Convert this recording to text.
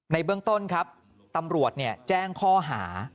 ในเบื้องต้นครับตำรวจแจ้งข้อหา